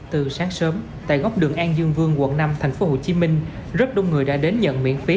từ sáng sớm tại góc đường an dương vương quận năm thành phố hồ chí minh rất đông người đã đến nhận miễn phí